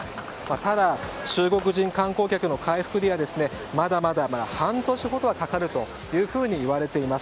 ただ、中国人観光客の回復にはまだまだ半年ほどはかかるというふうに言われています。